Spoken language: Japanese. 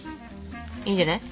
いいんじゃない？